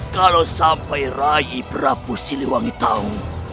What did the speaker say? kalau sampai rai prabu siliwangi tahu